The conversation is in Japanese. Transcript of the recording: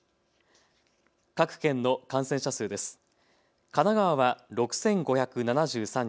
各県の感染者数です。